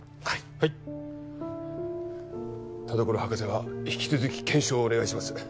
はい田所博士は引き続き検証をお願いします